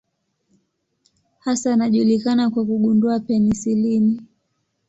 Hasa anajulikana kwa kugundua penisilini.